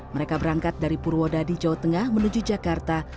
mereka berangkat dari purwada di jawa tengah menuju jakarta